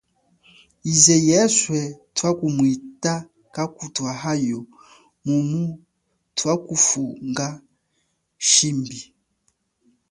Yize yeswe twakumwita kakutwahayo mumu twakufunga shimbi.